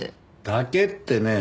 「だけ」ってね。